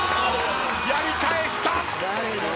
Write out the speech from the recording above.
やり返した！